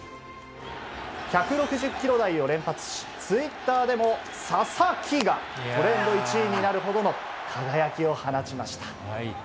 １６０キロ台を連発しツイッターでもササキがトレンド１位になるほどの輝きを放ちました。